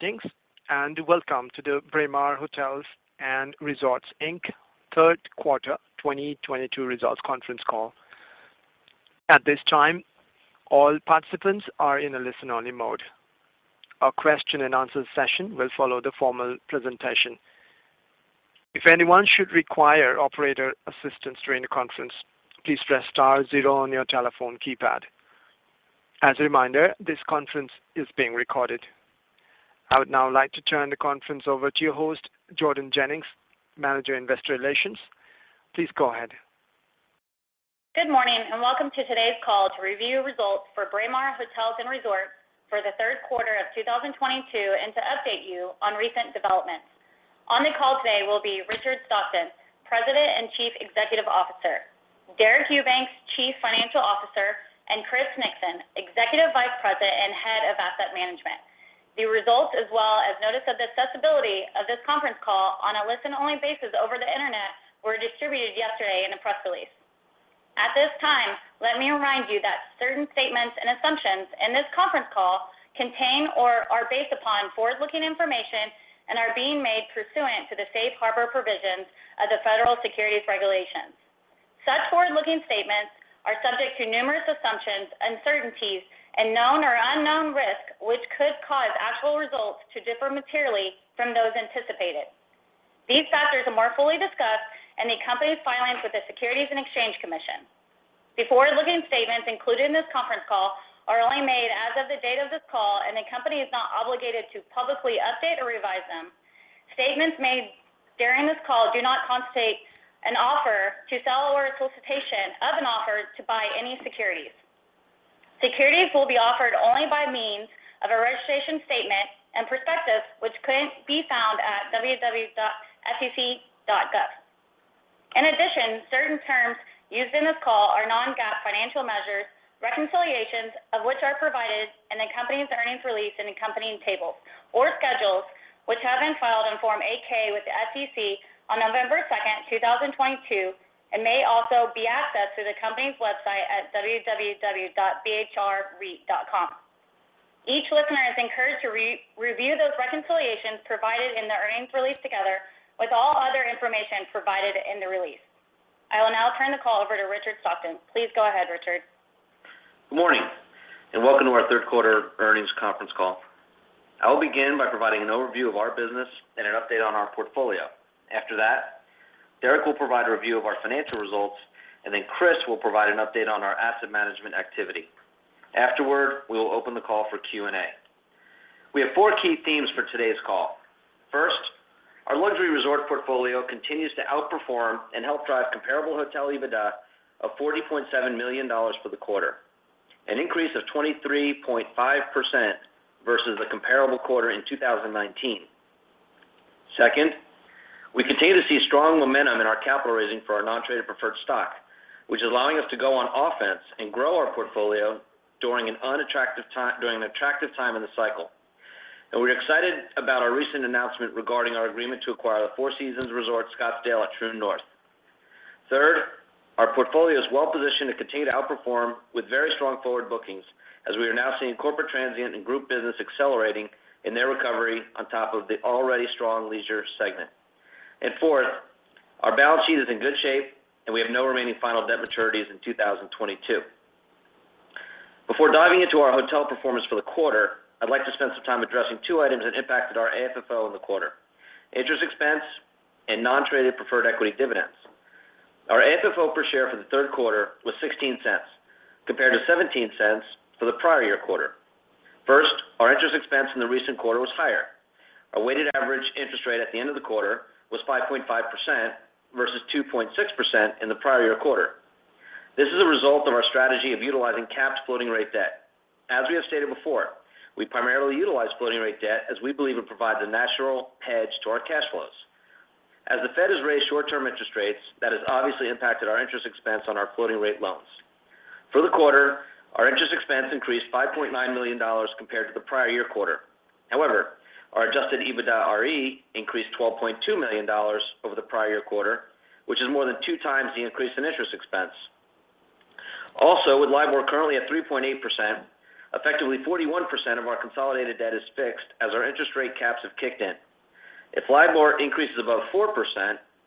Greetings, welcome to the Braemar Hotels & Resorts Inc. third quarter 2022 results conference call. At this time, all participants are in a listen-only mode. A question-and-answer session will follow the formal presentation. If anyone should require operator assistance during the conference, please press star zero on your telephone keypad. As a reminder, this conference is being recorded. I would now like to turn the conference over to your host, Jordan Jennings, Manager, Investor Relations. Please go ahead. Good morning, and welcome to today's call to review results for Braemar Hotels & Resorts for the third quarter of 2022, and to update you on recent developments. On the call today will be Richard Stockton, President and Chief Executive Officer, Deric Eubanks, Chief Financial Officer, and Chris Nixon, Executive Vice President and Head of Asset Management. The results as well as notice of the accessibility of this conference call on a listen-only basis over the Internet were distributed yesterday in a press release. At this time, let me remind you that certain statements and assumptions in this conference call contain or are based upon forward-looking information and are being made pursuant to the Safe Harbor provisions of the Federal Securities Regulations. Such forward-looking statements are subject to numerous assumptions, uncertainties and known or unknown risks which could cause actual results to differ materially from those anticipated. These factors are more fully discussed in the company's filings with the Securities and Exchange Commission. The forward-looking statements included in this conference call are only made as of the date of this cal and the company is not obligated to publicly update or revise them. Statements made during this call do not constitute an offer to sell or a solicitation of an offer to buy any securities. Securities will be offered only by means of a registration statement and prospectus, which can be found at www.sec.gov. In addition certain terms used in this call are non-GAAP financial measures, reconciliations of which are provided in the company's earnings release in accompanying tables or schedules, which have been filed in Form 8-K with the SEC on November 2nd, 2022, and may also be accessed through the company's website at www.bhrreit.com.Each listener is encouraged to re-review those reconciliations provided in the earnings release together with all other information provided in the release. I will now turn the call over to Richard Stockton. Please go ahead, Richard. Good morning and welcome to our third quarter earnings conference call. I will begin by providing an overview of our business and an update on our portfolio. After that, Deric will provide a review of our financial results, and then Chris will provide an update on our asset management activity. Afterward, we will open the call for Q&A. We have four key themes for today's call. First, our luxury resort portfolio continues to outperform and help drive comparable hotel EBITDA of $40.7 million for the quarter, an increase of 23.5% versus the comparable quarter in 2019. Second, we continue to see strong momentum in our capital raising for our non-traded preferred stock, which is allowing us to go on offense and grow our portfolio during an attractive time in the cycle. We're excited about our recent announcement regarding our agreement to acquire the Four Seasons Resort Scottsdale at Troon North. Third, our portfolio is well-positioned to continue to outperform with very strong forward bookings as we are now seeing corporate transient and group business accelerating in their recovery on top of the already strong leisure segment. Fourth, our balance sheet is in good shape and we have no remaining final debt maturities in 2022. Before diving into our hotel performance for the quarter, I'd like to spend some time addressing two items that impacted our AFFO in the quarter, interest expense and non-traded preferred equity dividends. Our AFFO per share for the third quarter was $0.16 compared to $0.17 for the prior year quarter. First, our interest expense in the recent quarter was higher. Our weighted average interest rate at the end of the quarter was 5.5% versus 2.6% in the prior year quarter. This is a result of our strategy of utilizing capped floating rate debt. We have stated before, we primarily utilize floating rate debt as we believe it provides a natural hedge to our cash flows. The Fed has raised short-term interest rates that has obviously impacted our interest expense on our floating rate loans. For the quarter, our interest expense increased $5.9 million compared to the prior year quarter. Our Adjusted EBITDAre increased $12.2 million over the prior year quarter, which is more than two times the increase in interest expense. Also, with LIBOR currently at 3.8% effectively 41% of our consolidated debt is fixed as our interest rate caps have kicked in. If LIBOR increases above 4%,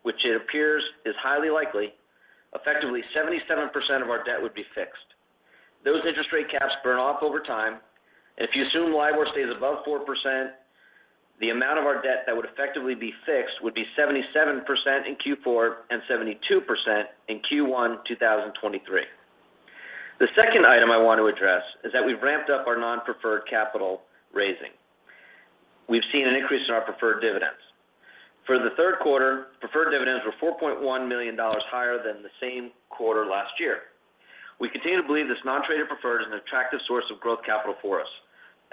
which it appears is highly likely, effectively 77% of our debt would be fixed. Those interest rate caps burn off over time, and if you assume LIBOR stays above 4%, the amount of our debt that would effectively be fixed would be 77% in Q4 and 72% in Q1 2023. The second item I want to address is that we've ramped up our non-preferred capital raising. We've seen an increase in our preferred dividends. For the third quarter, preferred dividends were $4.1 million higher than the same quarter last year. We continue to believe this non-traded preferred is an attractive source of growth capital for us.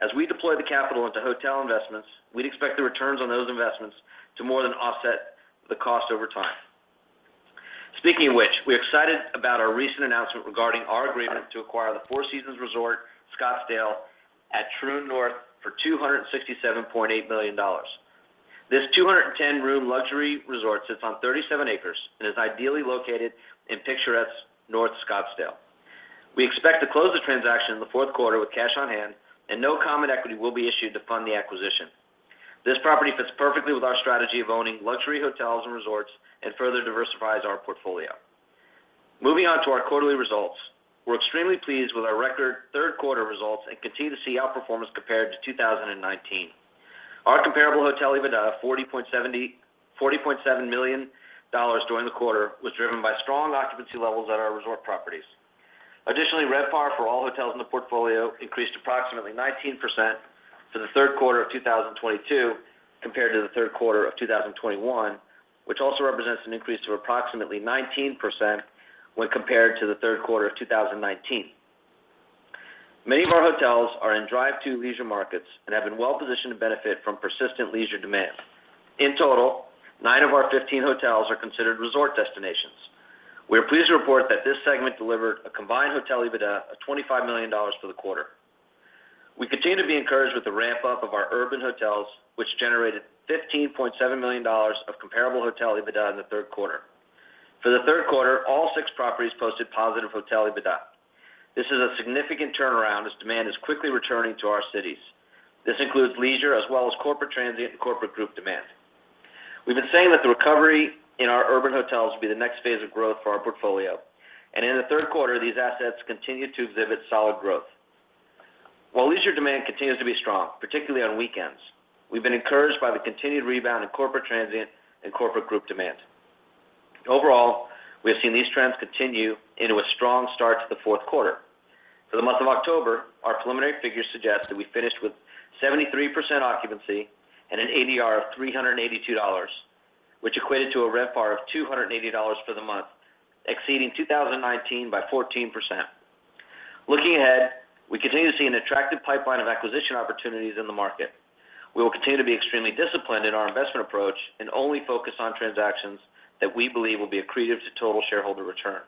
As we deploy the capital into hotel investments we'd expect the returns on those investments to more than offset the cost over time. Speaking of which, we're excited about our recent announcement regarding our agreement to acquire the Four Seasons Resort Scottsdale at Troon North for $267.8 million. This 210-room luxury resort sits on 37 acres and is ideally located in picturesque North Scottsdale. We expect to close the transaction in the fourth quarter with cash on hand and no common equity will be issued to fund the acquisition. This property fits perfectly with our strategy of owning luxury hotels and resorts and further diversifies our portfolio. Moving on to our quarterly results. We're extremely pleased with our record third quarter results and continue to see outperformance compared to 2019. Our comparable hotel EBITDA, $40.7 million during the quarter, was driven by strong occupancy levels at our resort properties. Additionally RevPAR for all hotels in the portfolio increased approximately 19% for the third quarter of 2022 compared to the third quarter of 2021, which also represents an increase of approximately 19% when compared to the third quarter of 2019. Many of our hotels are in drive-to leisure markets and have been well-positioned to benefit from persistent leisure demand. In total, nine of our 15 hotels are considered resort destinations. We are pleased to report that this segment delivered a combined hotel EBITDA of $25 million for the quarter. We continue to be encouraged with the ramp-up of our urban hotels, which generated $15.7 million of comparable hotel EBITDA in the third quarter. For the third quarter, all six properties posted positive hotel EBITDA. This is a significant turnaround as demand is quickly returning to our cities. This includes leisure as well as corporate transient and corporate group demand. We've been saying that the recovery in our urban hotels will be the next phase of growth for our portfolio, and in the third quarter, these assets continued to exhibit solid growth. While leisure demand continues to be strong, particularly on weekends, we've been encouraged by the continued rebound in corporate transient and corporate group demand. Overall, we have seen these trends continue into a strong start to the fourth quarter. For the month of October, our preliminary figures suggest that we finished with 73% occupancy and an ADR of $382, which equated to a RevPAR of $280 for the month, exceeding 2019 by 14%. Looking ahead, we continue to see an attractive pipeline of acquisition opportunities in the market. We will continue to be extremely disciplined in our investment approach and only focus on transactions that we believe will be accretive to total shareholder return.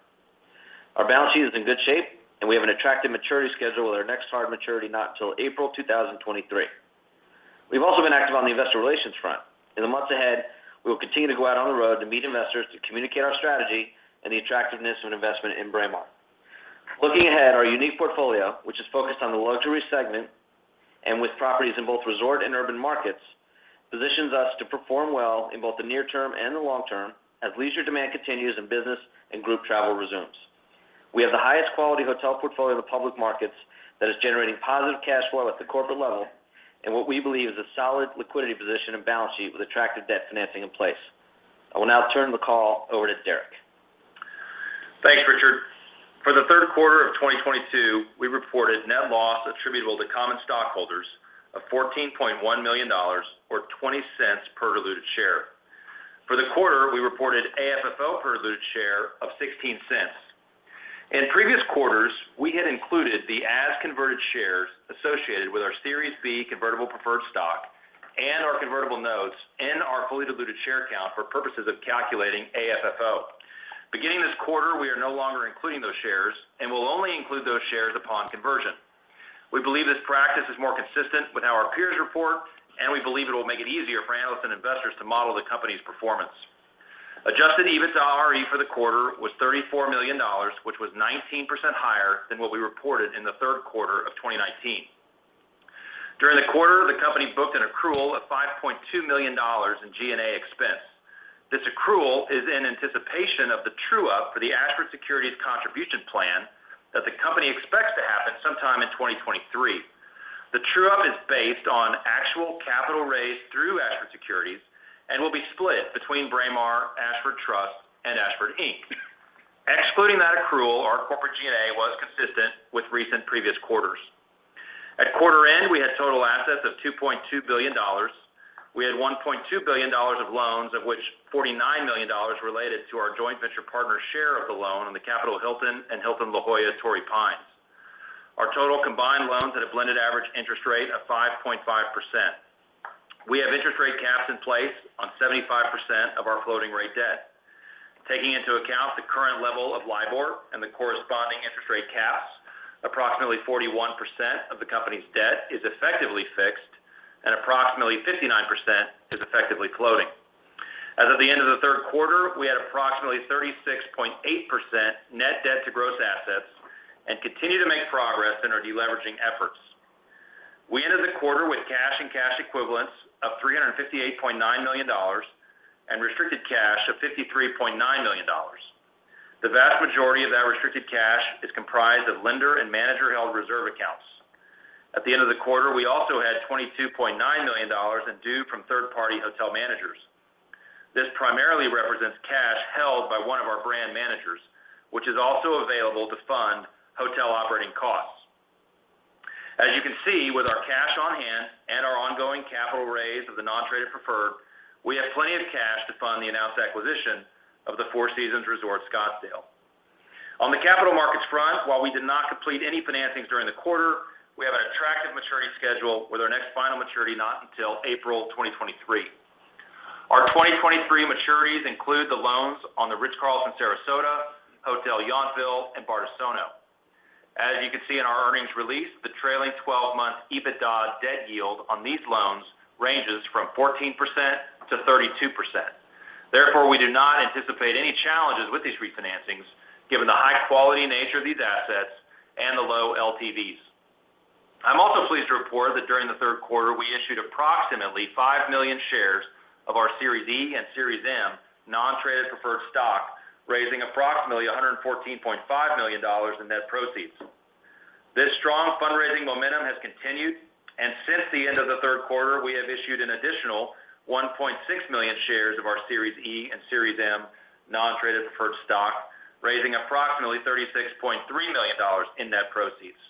Our balance sheet is in good shape, and we have an attractive maturity schedule with our next hard maturity not till April 2023. We've also been active on the investor relations front. In the months ahead, we will continue to go out on the road to meet investors to communicate our strategy and the attractiveness of an investment in Braemar. Looking ahead, our unique portfolio which is focused on the luxury segment and with properties in both resort and urban markets, positions us to perform well in both the near term and the long term as leisure demand continues and business and group travel resumes. We have the highest quality hotel portfolio in the public markets that is generating positive cash flow at the corporate level and what we believe is a solid liquidity position and balance sheet with attractive debt financing in place. I will now turn the call over to Deric. Thanks, Richard. For the third quarter of 2022, we reported net loss attributable to common stockholders of $14.1 million or $0.20 per diluted share. For the quarter, we reported AFFO per diluted share of $0.16. In previous quarters we had included the as-converted shares associated with our Series B convertible preferred stock and our convertible notes in our fully diluted share count for purposes of calculating AFFO. Beginning this quarter, we are no longer including those shares and will only include those shares upon conversion. We believe this practice is more consistent with how our peers report, and we believe it will make it easier for analysts and investors to model the company's performance. Adjusted EBITDAre for the quarter was $34 million, which was 19% higher than what we reported in the third quarter of 2019. During the quarter, the company booked an accrual of $5.2 million in G&A expense. This accrual is in anticipation of the true-up for the Ashford Securities contribution plan that the company expects to happen sometime in 2023. The true-up is based on actual capital raised through Ashford Securities and will be split between Braemar, Ashford Trust, and Ashford Inc. Excluding that accrual, our corporate G&A was consistent with recent previous quarters. At quarter-end, we had total assets of $2.2 billion. We had $1.2 billion of loans, of which $49 million related to our joint venture partner's share of the loan on the Capital Hilton and Hilton La Jolla Torrey Pines. Our total combined loans had a blended average interest rate of 5.5%. We have interest rate caps in place on 75% of our floating rate debt. Taking into account the current level of LIBOR and the corresponding interest rate caps, approximately 41% of the company's debt is effectively fixed and approximately 59% is effectively floating. As of the end of the third quarter, we had approximately 36.8% net debt to gross assets and continue to make progress in our deleveraging efforts. We ended the quarter with cash and cash equivalents of $358.9 million and restricted cash of $53.9 million. The vast majority of that restricted cash is comprised of lender and manager-held reserve accounts. At the end of the quarter, we also had $22.9 million in due from third-party hotel managers. This primarily represents cash held by one of our brand managers which is also available to fund hotel operating costs. As you can see, with our cash on hand and our ongoing capital raise of the non-traded preferred, we have plenty of cash to fund the announced acquisition of the Four Seasons Resort Scottsdale. On the capital markets front while we did not complete any financings during the quarter, we have an attractive maturity schedule with our next final maturity not until April 2023. Our 2023 maturities include the loans on The Ritz-Carlton, Sarasota, Hotel Yountville, and Bardessono. As you can see in our earnings release, the trailing 12-month EBITDA debt yield on these loans ranges from 14%-32%. Therefore, we do not anticipate any challenges with these refinancings given the high quality nature of these assets and the low LTVs. I'm also pleased to report that during the third quarter, we issued approximately 5 million shares of our Series E and Series M non-traded preferred stock, raising approximately $114.5 million in net proceeds. This strong fundraising momentum has continued, and since the end of the third quarter, we have issued an additional 1.6 million shares of our Series E and Series M non-traded preferred stock, raising approximately $36.3 million in net proceeds.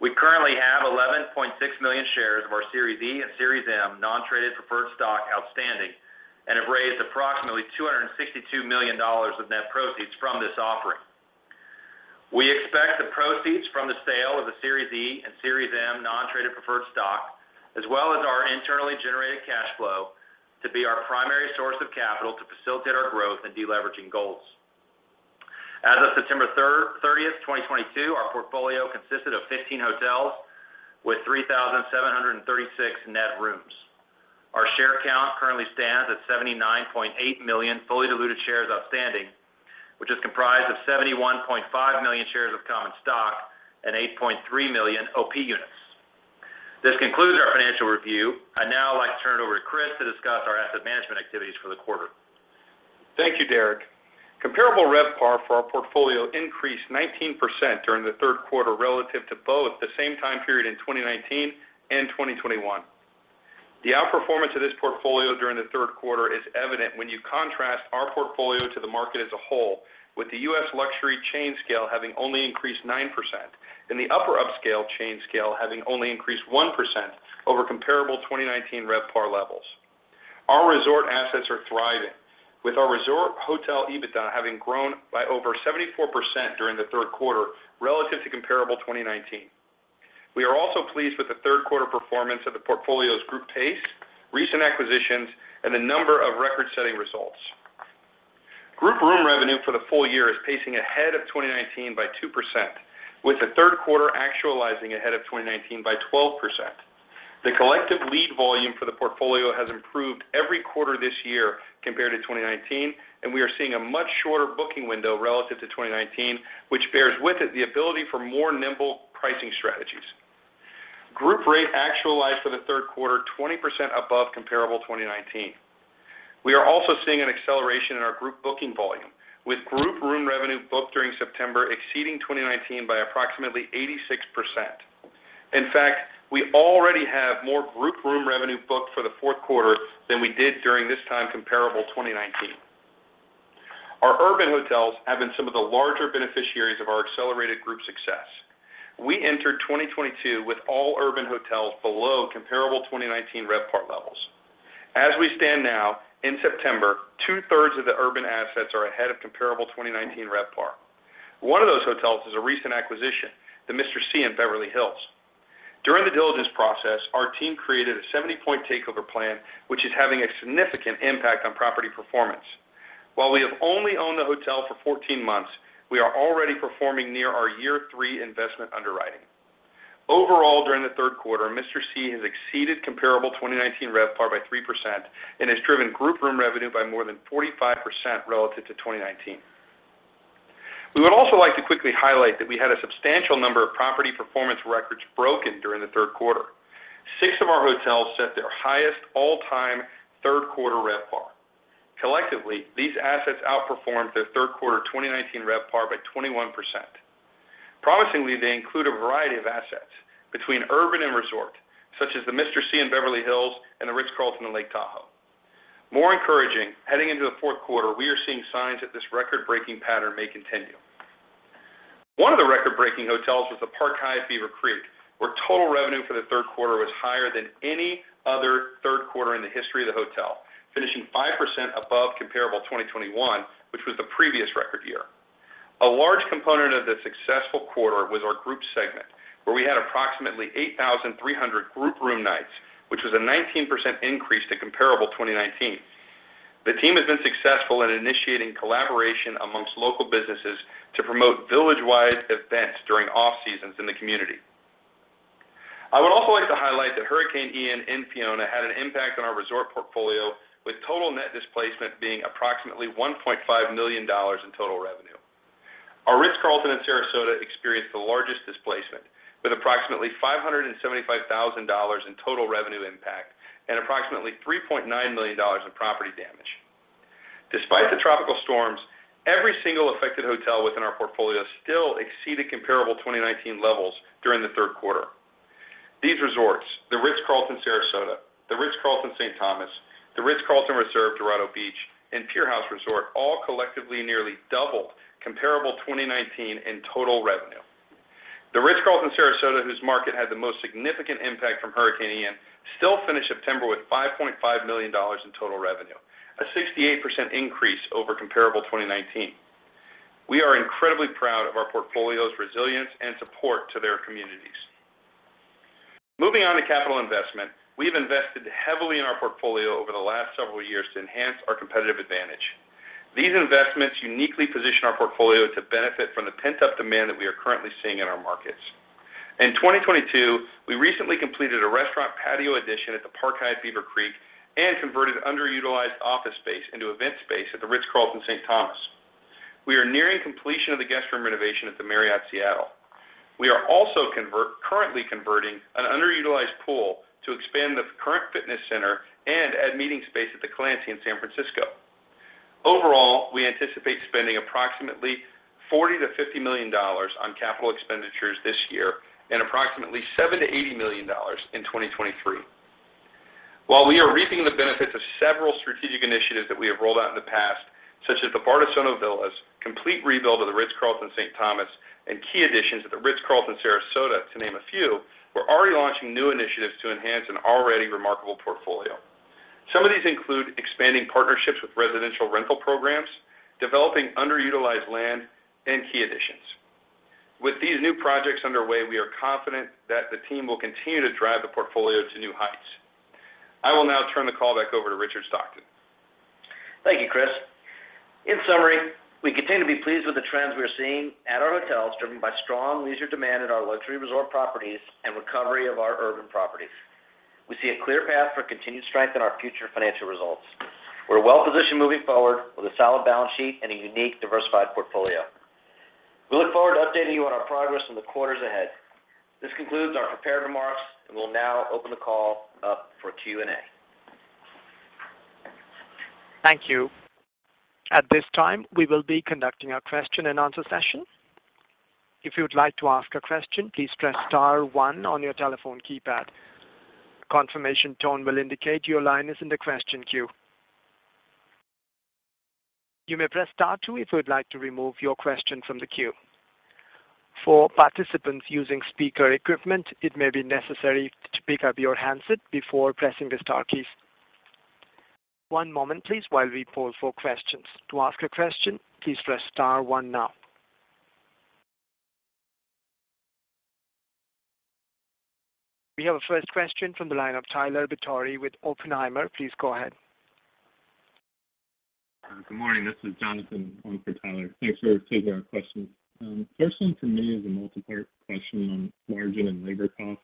We currently have 11.6 million shares of our Series E and Series M non-traded preferred stock outstanding and have raised approximately $262 million of net proceeds from this offering. We expect the proceeds from the sale of the Series E and Series M non-traded preferred stock, as well as our internally generated cash flow, to be our primary source of capital to facilitate our growth and deleveraging goals. As of September 30th, 2022, our portfolio consisted of 15 hotels with 3,736 net rooms. Our share count currently stands at 79.8 million fully diluted shares outstanding, which is comprised of 71.5 million shares of common stock and 8.3 million OP Units. This concludes our financial review. I'd now like to turn it over to Chris to discuss our asset management activities for the quarter. Thank you, Deric. Comparable RevPAR for our portfolio increased 19% during the third quarter relative to both the same time period in 2019 and 2021. The outperformance of this portfolio during the third quarter is evident when you contrast our portfolio to the market as a whole, with the U.S. luxury chain scale having only increased 9% and the upper upscale chain scale having only increased 1% over comparable 2019 RevPAR levels. Our resort assets are thriving, with our resort hotel EBITDA having grown by over 74% during the third quarter relative to comparable 2019. We are also pleased with the third quarter performance of the portfolio's group pace, recent acquisitions, and the number of record-setting results. Group room revenue for the full year is pacing ahead of 2019 by 2%, with the third quarter actualizing ahead of 2019 by 12%. The collective lead volume for the portfolio has improved every quarter this year compared to 2019 and we are seeing a much shorter booking window relative to 2019, which bears with it the ability for more nimble pricing strategies. Group rate actualized for the third quarter 20% above comparable 2019. We are also seeing an acceleration in our group booking volume, with group room revenue booked during September exceeding 2019 by approximately 86%. In fact, we already have more group room revenue booked for the fourth quarter than we did during this time comparable 2019. Our urban hotels have been some of the larger beneficiaries of our accelerated group success. We entered 2022 with all urban hotels below comparable 2019 RevPAR levels. As we stand now, in September, two-thirds of the urban assets are ahead of comparable 2019 RevPAR. One of those hotels is a recent acquisition, the Mr. C in Beverly Hills. During the diligence process our team created a 70-point takeover plan, which is having a significant impact on property performance. While we have only owned the hotel for 14 months, we are already performing near our year-three investment underwriting. Overall, during the third quarter, Mr. C has exceeded comparable 2019 RevPAR by 3% and has driven group room revenue by more than 45% relative to 2019. We would also like to quickly highlight that we had a substantial number of property performance records broken during the third quarter. Six of our hotels set their highest all-time third quarter RevPAR. Collectively, these assets outperformed their third quarter 2019 RevPAR by 21%. Promisingly, they include a variety of assets between urban and resort, such as the Mr. C Beverly Hills and The Ritz-Carlton, Lake Tahoe. More encouraging, heading into the fourth quarter, we are seeing signs that this record-breaking pattern may continue. One of the record-breaking hotels was the Park Hyatt Beaver Creek, where total revenue for the third quarter was higher than any other third quarter in the history of the hotel, finishing 5% above comparable 2021, which was the previous record year. A large component of the successful quarter was our group segment, where we had approximately 8,300 group room nights, which was a 19% increase to comparable 2019. The team has been successful in initiating collaboration among local businesses to promote village-wide events during off-seasons in the community. I would also like to highlight that Hurricane Ian and Fiona had an impact on our resort portfolio, with total net displacement being approximately $1.5 million in total revenue. Our Ritz-Carlton in Sarasota experienced the largest displacement with approximately $575,000 in total revenue impact and approximately $3.9 million in property damage. Despite the tropical storms, every single affected hotel within our portfolio still exceeded comparable 2019 levels during the third quarter. These resorts, The Ritz-Carlton, Sarasota, The Ritz-Carlton, St. Thomas, Dorado Beach, a Ritz-Carlton Reserve, and Pier House Resort & Spa, all collectively nearly doubled comparable 2019 in total revenue. The Ritz-Carlton, Sarasota, whose market had the most significant impact from Hurricane Ian, still finished September with $5.5 million in total revenue, a 68% increase over comparable 2019. We are incredibly proud of our portfolio's resilience and support to their communities. Moving on to capital investment. We've invested heavily in our portfolio over the last several years to enhance our competitive advantage. These investments uniquely position our portfolio to benefit from the pent-up demand that we are currently seeing in our markets. In 2022, we recently completed a restaurant patio addition at the Park Hyatt Beaver Cree and converted underutilized office space into event space at the Ritz-Carlton, St. Thomas. We are nearing completion of the guest room renovation at the Seattle Marriott Waterfront. We are also currently converting an underutilized pool to expand the current fitness center and add meeting space at The Clancy in San Francisco. Overall, we anticipate spending approximately $40 million-$50 million on capital expenditures this year and approximately $70 million-$80 million in 2023. While we are reaping the benefits of several strategic initiatives that we have rolled out in the past, such as the Bardessono Villas, complete rebuild of the Ritz-Carlton, St. Thomas, and key additions to the Ritz-Carlton, Sarasota, to name a few, we're already launching new initiatives to enhance an already remarkable portfolio. Some of these include expanding partnerships with residential rental programs, developing underutilized land and key additions. With these new projects underway, we are confident that the team will continue to drive the portfolio to new heights.I will now turn the call back over to Richard Stockton. Thank you, Chris. In summary, we continue to be pleased with the trends we are seeing at our hotels, driven by strong leisure demand at our luxury resort properties and recovery of our urban properties. We see a clear path for continued strength in our future financial results. We're well positioned moving forward with a solid balance sheet and a unique, diversified portfolio. We look forward to updating you on our progress in the quarters ahead. This concludes our prepared remarks, and we'll now open the call up for Q&A. Thank you. At this time, we will be conducting our question-and-answer session. If you would like to ask a question, please press star one on your telephone keypad. Confirmation tone will indicate your line is in the question queue. You may press star two if you would like to remove your question from the queue. For participants using speaker equipment, it may be necessary to pick up your handset before pressing the star keys. One moment, please, while we pause for questions. To ask a question, please press star one now. We have a first question from the line of Tyler Batory with Oppenheimer. Please go ahead. Good morning. This is Jonathan on for Tyler. Thanks for taking our questions. First one for me is a multi-part question on margin and labor costs.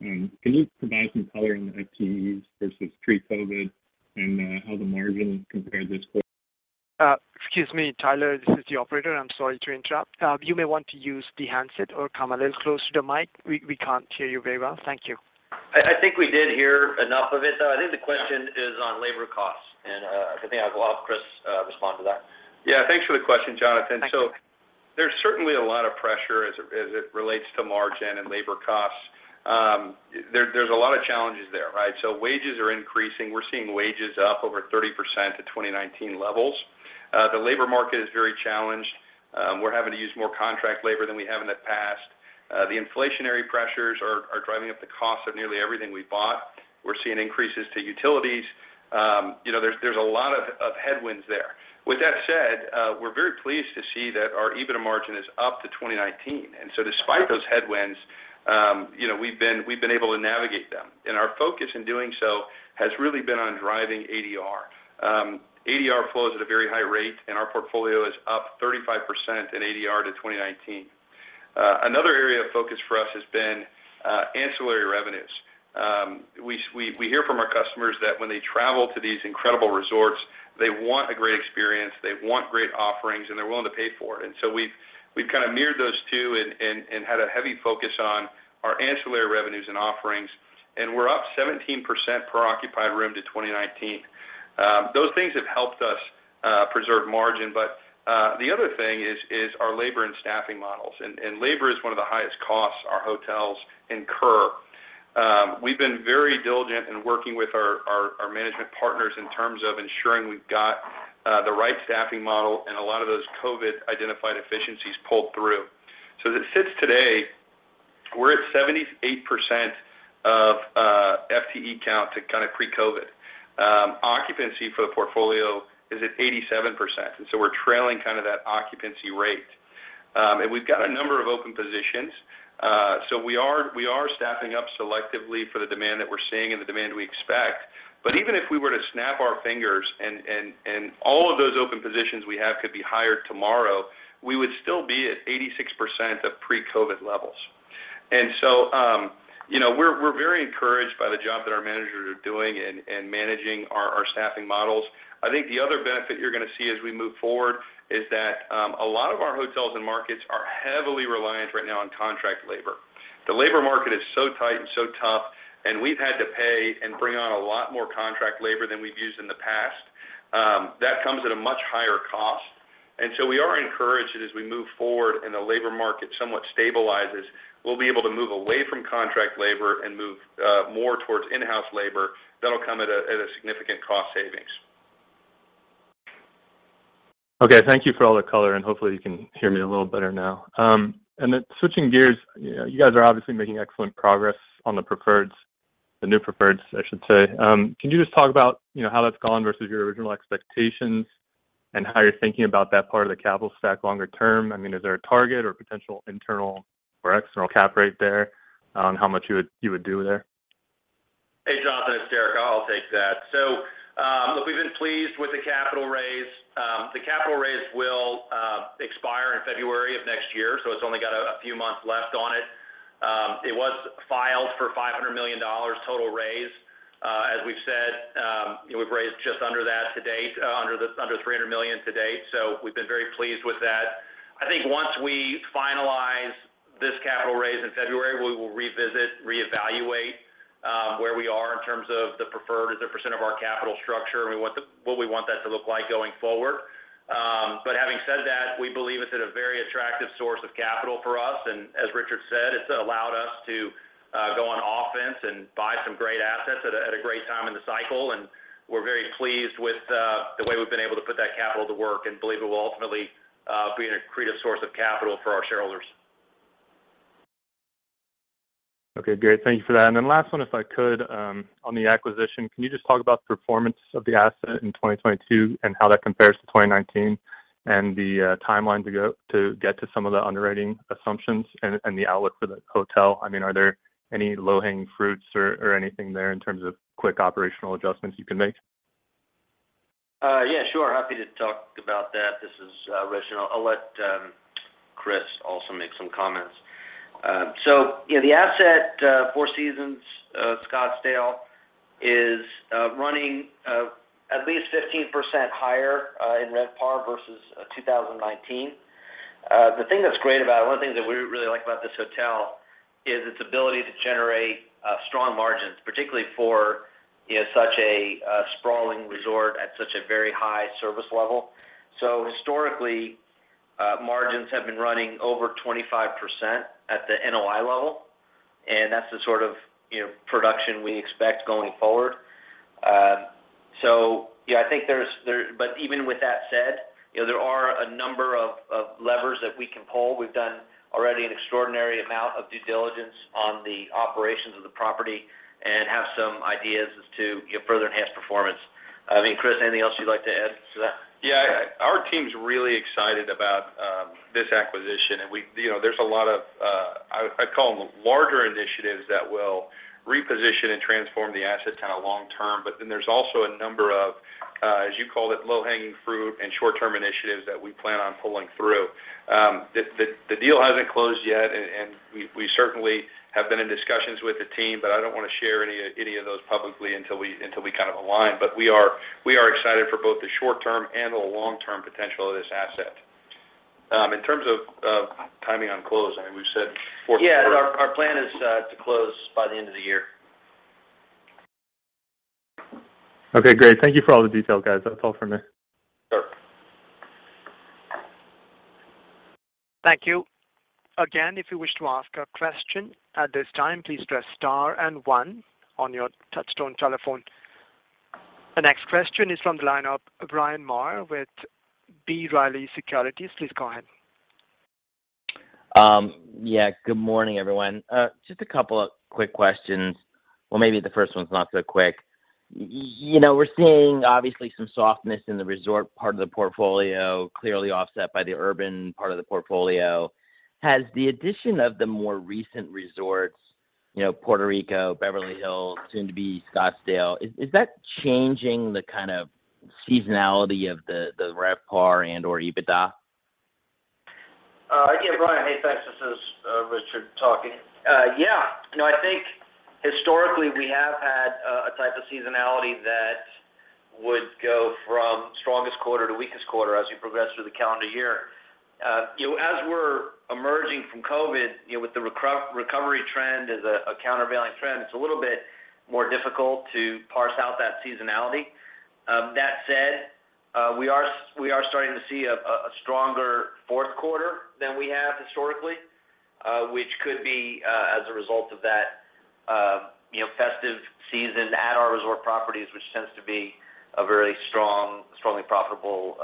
Can you provide some color on the FTEs versus pre-COVID and how the margin compared this quarter? Excuse me, Tyler, this is the operator. I'm sorry to interrupt. You may want to use the handset or come a little closer to the mic. We can't hear you very well. Thank you. I think we did hear enough of it, though. I think the question is on labor costs, and I think I'll have Chris respond to that. Yeah. Thanks for the question, Jonathan. Thank you. There's certainly a lot of pressure as it relates to margin and labor costs. There's a lot of challenges there, right? Wages are increasing. We're seeing wages up over 30% to 2019 levels. The labor market is very challenged. We're having to use more contract labor than we have in the past. The inflationary pressures are driving up the cost of nearly everything we bought. We're seeing increases to utilities. You know, there's a lot of headwinds there. With that said, we're very pleased to see that our EBITDA margin is up to 2019. Despite those headwinds, you know, we've been able to navigate them. Our focus in doing so has really been on driving ADR. ADR flows at a very high rate, and our portfolio is up 35% in ADR to 2019. Another area of focus for us has been ancillary revenues. We hear from our customers that when they travel to these incredible resorts, they want a great experience, they want great offerings, and they're willing to pay for it. We've kind of mirrored those two and had a heavy focus on our ancillary revenues and offerings, and we're up 17% per occupied room to 2019. Those things have helped us preserve margin. The other thing is our labor and staffing models, and labor is one of the highest costs our hotels incur. We've been very diligent in working with our management partners in terms of ensuring we've got the right staffing model, and a lot of those COVID identified efficiencies pulled through. As it sits today, we're at 78% of FTE count to kind of pre-COVID. Occupancy for the portfolio is at 87%, and we're trailing kind of that occupancy rate. We've got a number of open positions, so we are staffing up selectively for the demand that we're seeing and the demand we expect. But even if we were to snap our fingers and all of those open positions we have could be hired tomorrow, we would still be at 86% of pre-COVID levels. You know, we're very encouraged by the job that our managers are doing in managing our staffing models. I think the other benefit you're gonna see as we move forward is that a lot of our hotels and markets are heavily reliant right now on contract labor. The labor market is so tight and so tough, and we've had to pay and bring on a lot more contract labor than we've used in the past. That comes at a much higher cost. We are encouraged that as we move forward and the labor market somewhat stabilizes, we'll be able to move away from contract labor and move more towards in-house labor that'll come at a significant cost savings. Okay. Thank you for all the color, and hopefully you can hear me a little better now. Switching gears, you know, you guys are obviously making excellent progress on the preferreds, the new preferreds, I should say. Can you just talk about, you know, how that's gone versus your original expectations and how you're thinking about that part of the capital stack longer term? I mean, is there a target or potential internal or external cap rate there on how much you would do there? Hey, Jonathan, it's Deric. I'll take that. Look, we've been pleased with the capital raise. The capital raise will expire in February of next year, so it's only got a few months left on it. It was filed for $500 million total raise. As we've said, you know, we've raised just under that to date, under $300 million to date. We've been very pleased with that. I think once we finalize this capital raise in February, we will revisit, reevaluate, where we are in terms of the preferred as a % of our capital structure and what we want that to look like going forward. Having said that, we believe it's at a very attractive source of capital for us. As Richard said, it's allowed us to go on offense and buy some great assets at a great time in the cycle. We're very pleased with the way we've been able to put that capital to work and believe it will ultimately be an accretive source of capital for our shareholders. Okay, great. Thank you for that. Then last one if I could on the acquisition, can you just talk about the performance of the asset in 2022 and how that compares to 2019 and the timeline to get to some of the underwriting assumptions and the outlook for the hotel? I mean, are there any low-hanging fruits or anything there in terms of quick operational adjustments you can make? Yeah, sure. Happy to talk about that. This is Richard. I'll let Chris also make some comments. The asset, Four Seasons, Scottsdale is running at least 15% higher in RevPAR versus 2019. The thing that's great about it, one thing that we really like about this hotel is its ability to generate strong margins, particularly for, you know, such a sprawling resort at such a very high service level. Historically margins have been running over 25% at the NOI level, and that's the sort of, you know, production we expect going forward. Yeah, I think there's. Even with that said, you know, there are a number of levers that we can pull. We've done already an extraordinary amount of due diligence on the operations of the property and have some ideas as to, you know, further enhance performance. I think, Chris, anything else you'd like to add to that? Yeah. Our team's really excited about this acquisition, and you know, there's a lot of I'd call them larger initiatives that will reposition and transform the asset kind of long term. But then there's also a number of as you called it, low-hanging fruit and short-term initiatives that we plan on pulling through. The deal hasn't closed yet, and we certainly have been in discussions with the team, but I don't wanna share any of those publicly until we kind of align. We are excited for both the short term and the long-term potential of this asset. In terms of timing on close, I mean, we've said fourth quarter. Yeah. Our plan is to close by the end of the year. Okay, great. Thank you for all the details, guys. That's all for me. Sure. Thank you. Again, if you wish to ask a question at this time, please press star and one on your touch-tone telephone. The next question is from the line of Bryan Maher with B. Riley Securities. Please go ahead. Yeah, good morning, everyone. Just a couple of quick questions. Well, maybe the first one's not so quick. You know, we're seeing obviously some softness in the resort part of the portfolio, clearly offset by the urban part of the portfolio. Has the addition of the more recent resorts, you know, Puerto Rico, Beverly Hills, soon to be Scottsdale, is that changing the kind of seasonality of the RevPAR and/or EBITDA? Yeah, Bryan. Hey, thanks. This is Richard talking. Yeah. You know, I think historically we have had a type of seasonality that would go from strongest quarter to weakest quarter as you progress through the calendar year. You know, as we're emerging from COVID, you know, with the recovery trend as a countervailing trend, it's a little bit more difficult to parse out that seasonality. That said, we are starting to see a stronger fourth quarter than we have historically, which could be as a result of that, you know, festive season at our resort properties, which tends to be a very strong, strongly profitable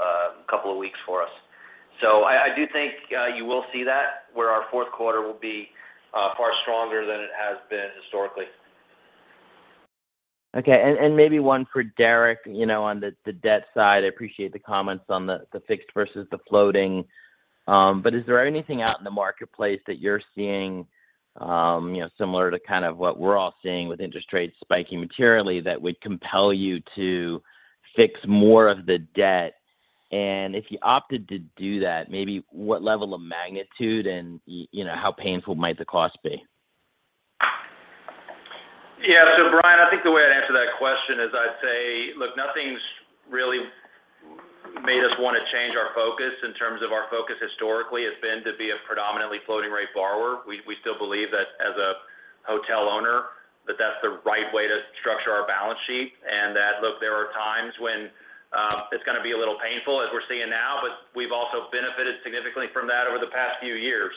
couple of weeks for us. I do think you will see that our fourth quarter will be far stronger than it has been historically. Okay. Maybe one for Deric, you know, on the debt side. I appreciate the comments on the fixed versus the floating. Is there anything out in the marketplace that you're seeing, you know, similar to kind of what we're all seeing with interest rates spiking materially that would compel you to fix more of the debt? If you opted to do that, maybe what level of magnitude and how painful might the cost be? Yeah. Bryan, I think the way I'd answer that question is I'd say, look, nothing's really made us wanna change our focus. In terms of our focus historically has been to be a predominantly floating rate borrower. We still believe that as a hotel owner, that that's the right way to structure our balance sheet. Look, there are times when it's gonna be a little painful as we're seeing now but we've also benefited significantly from that over the past few years.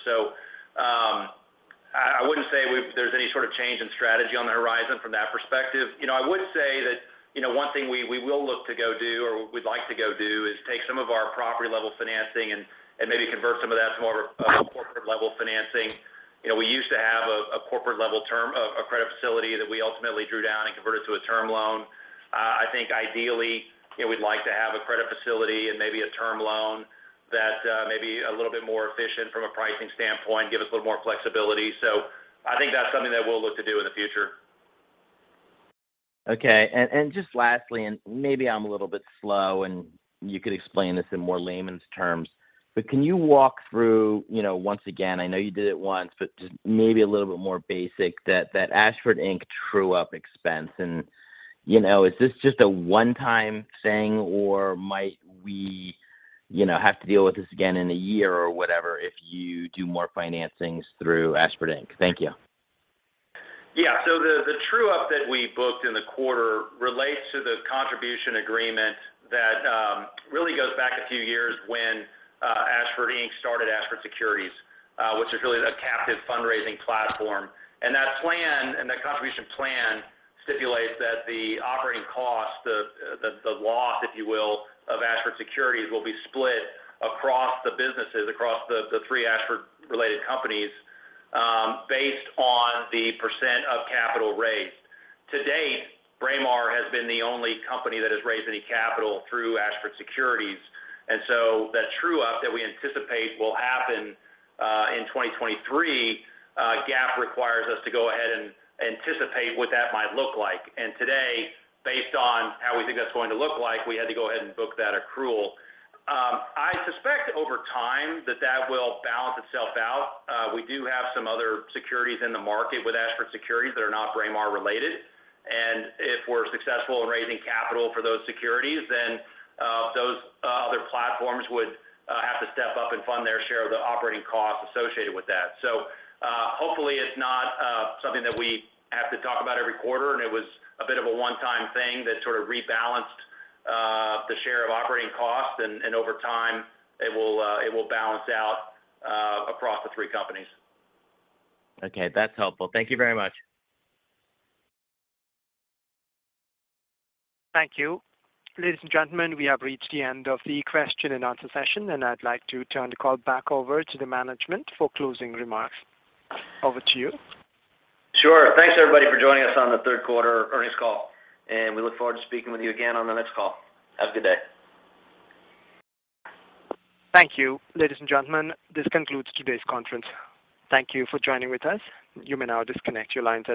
I wouldn't say there's any sort of change in strategy on the horizon from that perspective. You know, I would say that, you know, one thing we will look to go do or we'd like to go do is take some of our property level financing and maybe convert some of that to more of a corporate level financing. You know, we used to have a corporate level credit facility that we ultimately drew down and converted to a term loan. I think ideally, you know, we'd like to have a credit facility and maybe a term loan that may be a little bit more efficient from a pricing standpoint, give us a little more flexibility. I think that's something that we'll look to do in the future. Okay. Just lastly and maybe I'm a little bit slow, and you could explain this in more layman's terms, but can you walk through, you know, once again, I know you did it once, but just maybe a little bit more basic that Ashford Inc. true-up expense and, you know, is this just a one-time thing or might we, you know, have to deal with this again in a year or whatever if you do more financings through Ashford Inc.? Thank you. Yeah. The true-up that we booked in the quarter relates to the contribution agreement that really goes back a few years when Ashford Inc. started Ashford Securities, which is really the captive fundraising platform. That contribution plan stipulates that the operating cost, the loss, if you will, of Ashford Securities will be split across the businesses, across the three Ashford-related companies, based on the percent of capital raised. To date, Braemar has been the only company that has raised any capital through Ashford Securities. The true-up that we anticipate will happen in 2023. GAAP requires us to go ahead and anticipate what that might look like. Today, based on how we think that's going to look like, we had to go ahead and book that accrual. I suspect over time that will balance itself out. We do have some other securities in the market with Ashford Securities that are not Braemar-related. If we're successful in raising capital for those securities, then those other platforms would have to step up and fund their share of the operating costs associated with that. Hopefully it's not something that we have to talk about every quarter and it was a bit of a one-time thing that sort of rebalanced the share of operating costs and over time, it will balance out across the three companies. Okay. That's helpful. Thank you very much. Thank you. Ladies and gentlemen, we have reached the end of the question-and-answer session, and I'd like to turn the call back over to the management for closing remarks. Over to you. Sure. Thanks everybody for joining us on the third quarter earnings call, and we look forward to speaking with you again on the next call. Have a good day. Thank you. Ladies and gentlemen, this concludes today's conference. Thank you for joining with us. You may now disconnect your lines.